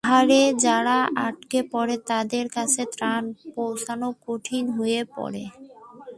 পাহাড়ে যারা আটকা পড়ে, তাদের কাছে ত্রাণ পৌঁছানো কঠিন হয়ে পড়ে।